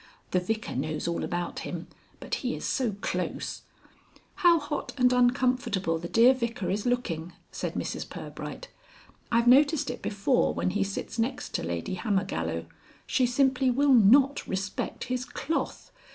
The Vicar knows all about him, but he is so close " "How hot and uncomfortable the dear Vicar is looking," said Mrs Pirbright. "I've noticed it before when he sits next to Lady Hammergallow. She simply will not respect his cloth.